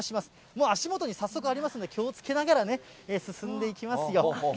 もう足元に早速ありますんで、気をつけながらね、進んでいきますよ。